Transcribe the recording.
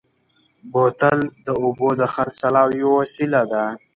بوتل د اوبو د خرڅلاو یوه وسیله ده.